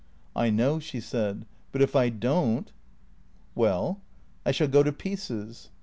"I know," she said, "but if I don't " "Well?" " I shall go to pieces."